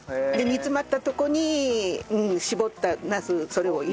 煮詰まったとこに絞ったなすそれを入れて